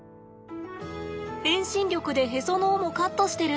遠心力でへその緒もカットしてる！